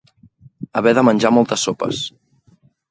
Haver de menjar moltes sopes.